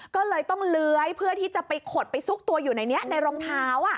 ก็เลยต้องเลื้อยเพื่อที่จะไปขดไปซุกตัวอยู่ในนี้ในรองเท้า